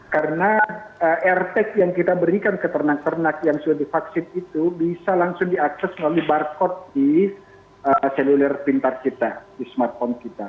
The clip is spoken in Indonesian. karena airtex yang kita berikan ke ternak ternak yang sudah divaksin itu bisa langsung diakses melalui barcode di seluler pintar kita di smartphone kita